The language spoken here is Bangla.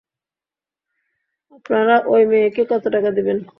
আপনারা ওই মেয়েকে কত টাকা দিবেন?